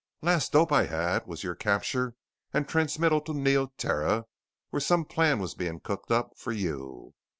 Last dope I had was your capture and transmittal to Neoterra where some plan was being cooked up for you.